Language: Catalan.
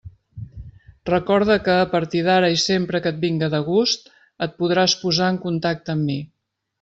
Recorda que, a partir d'ara i sempre que et vinga de gust, et podràs posar en contacte amb mi.